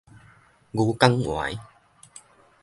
牛犅 𨂿